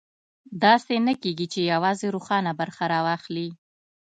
داسې نه کېږي چې یوازې روښانه برخه راواخلي.